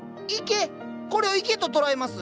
これを池と捉えます？